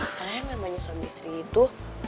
karena memangnya suami istri itu